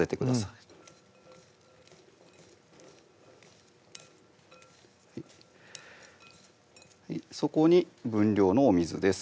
うんそこに分量のお水です